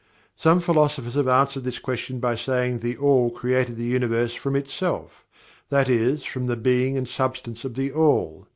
Some philosophers have answered this question by saying that THE ALL created the Universe from ITSELF that is, from the being and substance of THE ALL.